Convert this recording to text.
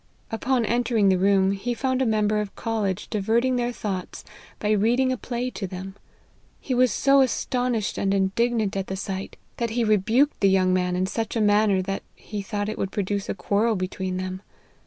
Upon entering the room, he found a member of college diverting their thoughts by reading a play to them. He was so astonished and indignant at the sight, that he rebuked the young man in such a manner that he thought it would produce a quarrel between them.